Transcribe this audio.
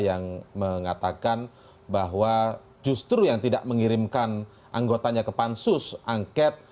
yang mengatakan bahwa justru yang tidak mengirimkan anggotanya ke pansus angket